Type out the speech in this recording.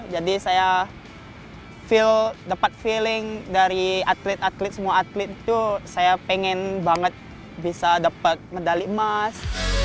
jadi saya dapat feeling dari atlet atlet semua atlet itu saya pengen banget bisa dapat medali emas